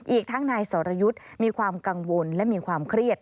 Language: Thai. อีกทั้งนายสรยุทธ์มีความกังวลและมีความเครียด